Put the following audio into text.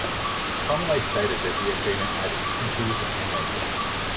Conaway stated that he had been an addict since he was a teenager.